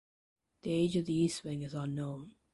The age of the east wing is unknown.